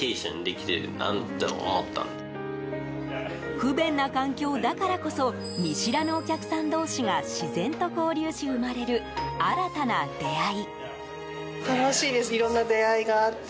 不便な環境だからこそ見知らぬお客さん同士が自然と交流し生まれる新たな出会い。